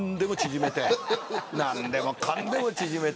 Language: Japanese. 何でもかんでも縮めて。